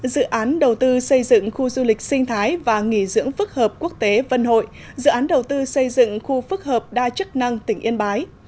dự án đầu tư xây dựng khu du lịch sinh thái và nghỉ dưỡng phức hợp quốc tế vân hội dự án đầu tư xây dựng khu phức hợp đa chức năng tỉnh yên bái